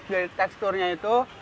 dari teksturnya itu